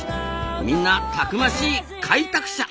みんなたくましい「開拓者」ですな。